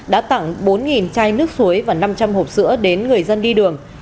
đã tặng bốn chai nước suối và năm trăm linh hộp sữa đến người dân đi đường